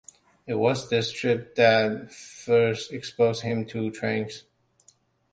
It was this trip that first exposed him to trains.